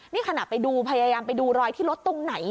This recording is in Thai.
นี่ขณะไปดูพยายามไปดูรอยที่รถตรงไหน